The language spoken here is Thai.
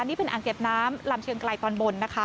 นี่เป็นอ่างเก็บน้ำลำเชียงไกลตอนบนนะคะ